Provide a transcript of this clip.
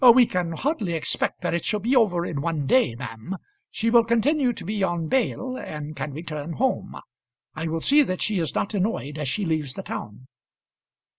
"We can hardly expect that it shall be over in one day, ma'am. She will continue to be on bail, and can return home. I will see that she is not annoyed as she leaves the town."